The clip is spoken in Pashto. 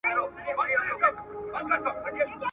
تر لحده به دي ستړی زکندن وي ,